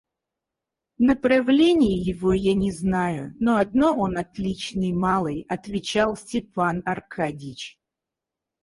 Направления его я не знаю, но одно — он отличный малый, — отвечал Степан Аркадьич.